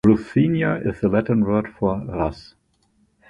Ruthenia is the Latin word for Rus'.